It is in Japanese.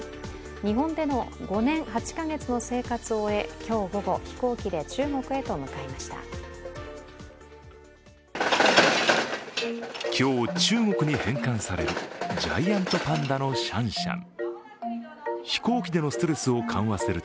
日本での５年８か月の生活を終え、今日午後、飛行機で中国へと向かいました。